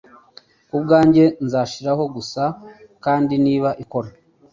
Ku bwanjye nzashiraho gusa, kandi niba ikora,